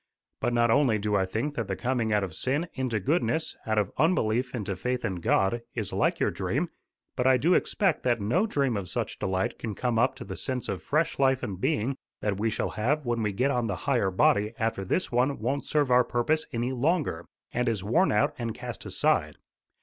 But not only do I think that the coming out of sin into goodness, out of unbelief into faith in God, is like your dream; but I do expect that no dream of such delight can come up to the sense of fresh life and being that we shall have when we get on the higher body after this one won't serve our purpose any longer, and is worn out and cast aside.